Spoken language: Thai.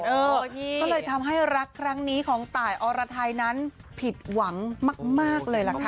ก็เลยทำให้รักครั้งนี้ของตายอรไทยนั้นผิดหวังมากเลยล่ะค่ะ